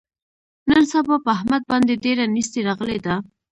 نن سبا په احمد باندې ډېره نیستي راغلې ده.